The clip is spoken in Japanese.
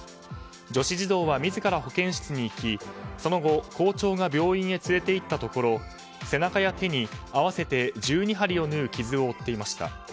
女子児童は自ら保健室に行きその後、校長が病院へ連れて行ったところ背中や手に合わせて１２針を縫う傷を負っていました。